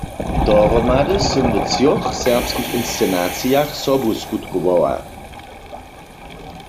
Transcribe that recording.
Dohromady sym w třoch serbskich inscenacijach sobu skutkowała.